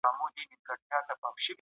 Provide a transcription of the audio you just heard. د نامعلوم برخلیک په اړه فکر مه کوه.